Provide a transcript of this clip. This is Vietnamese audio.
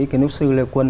kiến trúc sư lê quân